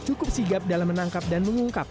cukup sigap dalam menangkap dan mengungkap